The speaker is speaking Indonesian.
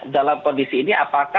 dalam kondisi ini